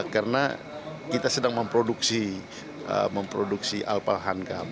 karena kita sedang memproduksi alpahanggab